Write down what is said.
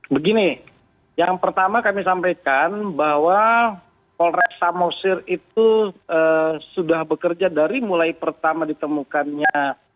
begini yang pertama kami sampaikan bahwa polres samosir itu sudah bekerja dari mulai pertama ditemukannya